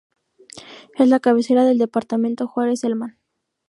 Es la cabecera del departamento Juárez Celman.